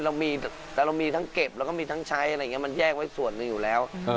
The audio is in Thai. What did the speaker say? เรามีแต่เรามีทั้งเก็บแล้วก็มีทั้งใช้อะไรอย่างนี้มันแยกไว้ส่วนหนึ่งอยู่แล้ว